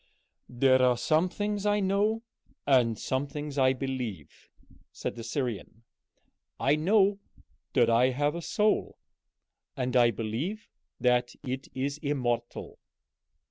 "There are some things I know, and some things I believe," said the Syrian. "I know that I have a soul, and I believe that it is immortal."